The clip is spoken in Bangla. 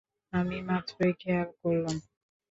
আমি মাত্রই খেয়াল করলাম।